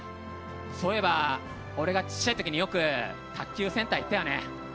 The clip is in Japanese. そういえば、俺が小さい時によく卓球センター行ったよね。